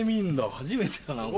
初めてだな。